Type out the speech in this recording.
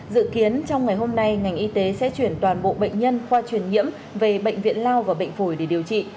dự kiến trong ngày hôm nay ngành y tế sẽ chuyển toàn bộ bệnh nhân khoa chuyển nhiễm về bệnh viện lao và bệnh phổi để điều trị